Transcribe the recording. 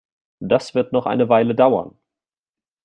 Das wird noch eine Weile dauern.